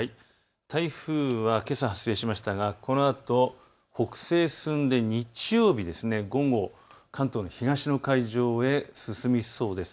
台風はけさ発生しましたがこのあと北西へ進んで日曜日、午後、関東の東の海上へ進みそうです。